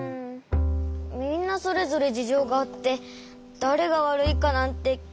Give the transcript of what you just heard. みんなそれぞれじじょうがあってだれがわるいかなんてきめらんない！